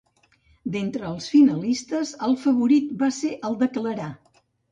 D'entre els finalistes, el favorit va ser el de Clarà.